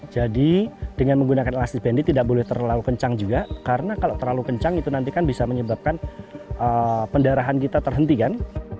jadi dengan menggunakan elastis bandit tidak boleh terlalu kencang juga karena kalau terlalu kencang itu nanti kan bisa menyebabkan pendarahan kita terhenti kan